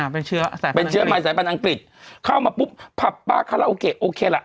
เป็นเชื้อเป็นเชื้อใหม่สายพันธ์อังกฤษเข้ามาปุ๊บผับปลาคาราโอเกะโอเคล่ะ